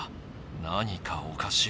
何かおかしい。